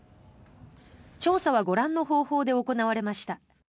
調査はご覧の方法で行われました。